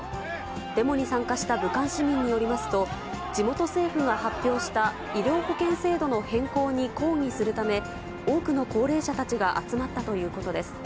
デモに参加した武漢市民によりますと、地元政府が発表した医療保険制度の変更に抗議するため、多くの高齢者たちが集まったということです。